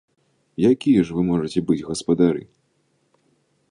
Якія ж вы можаце быць гаспадары?